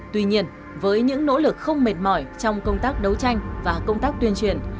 tuy nhiên với những nỗ lực không mệt mỏi trong công tác đấu tranh và công tác tuyên truyền